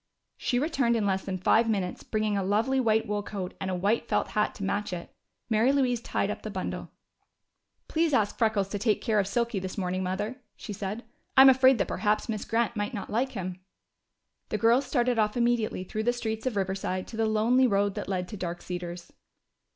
She returned in less than five minutes bringing a lovely white wool coat and a white felt hat to match it. Mary Louise tied up the bundle. "Please ask Freckles to take care of Silky this morning, Mother," she said. "I'm afraid that perhaps Miss Grant might not like him." The girls started off immediately through the streets of Riverside to the lonely road that led to Dark Cedars.